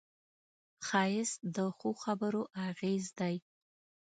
ښایست د ښو خبرو اغېز دی